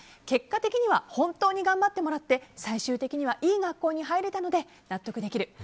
結果的には本当に頑張ってもらって最終的にはいい学校に入れたので納得できる。